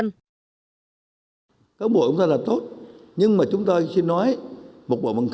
người cán bộ công chức viên chức phải quán triển đất nước